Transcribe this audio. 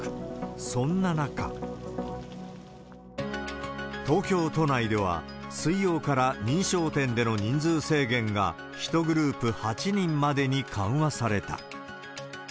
そんな中、東京都内では、水曜から認証店での人数制限が１グループ８人までに緩和された。